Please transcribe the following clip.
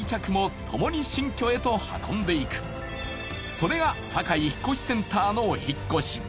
それがサカイ引越センターのお引越し